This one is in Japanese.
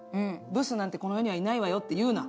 ブスなんてこの世にはいないわよって言うな。